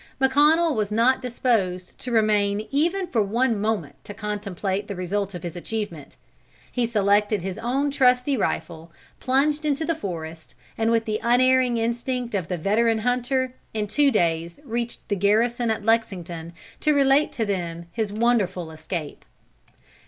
McConnel was not disposed to remain even for one moment to contemplate the result of his achievement. He selected his own trusty rifle, plunged into the forest, and with the unerring instinct of the veteran hunter, in two days reached the garrison at Lexington to relate to them his wonderful escape."